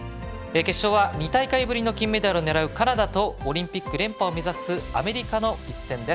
決勝は２大会ぶりの金メダルを狙うカナダとオリンピック連覇を目指すアメリカの一戦。